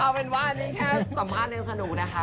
เอาเป็นว่านี้แค่สำคัญและสนุกนะคะ